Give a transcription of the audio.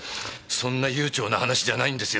そんな悠長な話じゃないんですよ。